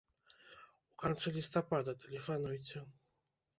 У канцы лістапада тэлефануйце.